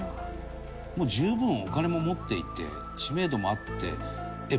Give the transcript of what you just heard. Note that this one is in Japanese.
もう十分お金も持っていて知名度もあってえっ